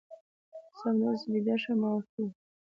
سمه ده، اوس بېده شه. ما ورته وویل.